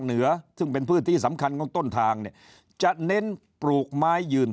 เหนือซึ่งเป็นพื้นที่สำคัญของต้นทางเนี่ยจะเน้นปลูกไม้ยืน